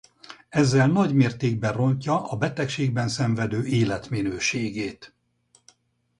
Ezzel nagy mértékben rontja a betegségben szenvedő életminőségét.